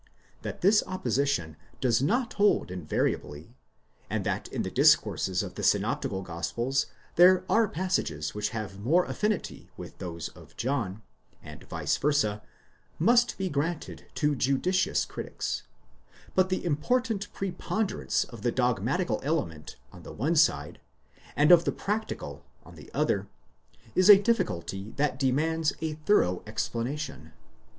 ® That this opposition does not hold invariably, and that in the discourses of the synoptical gospels there are passages which have more affinity with those of John, and vice versa, must be granted to judicious critics ; 17 but the important prepon derance of the dogmatical element on the one side, and of the practical on the other, is a difficulty that demands a thorough explanation.